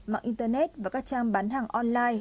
mạng internet và các trang bán hàng online